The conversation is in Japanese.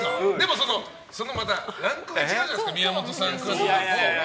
ランクが違うじゃないですか宮本さんクラスだと。